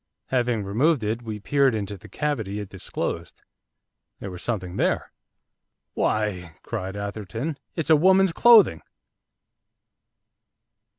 Having removed it, we peered into the cavity it disclosed. There was something there. 'Why,' cried Atherton, 'it's a woman's clothing!